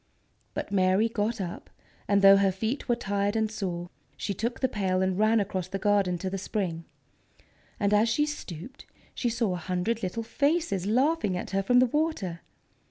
But Mary got up, and, though her feet were tired and sore, she took the pail and ran through the garden to the spring. And as she stooped she saw a hundred little faces laughing at her from the water.